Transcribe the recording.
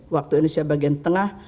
waktu indonesia bagian tengah